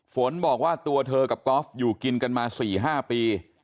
ฝนบอกว่าตัวเธอกับกอล์ฟอยู่กินกันมา๔๕ปี